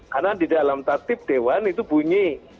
karena di dalam taktip dewan itu bunyi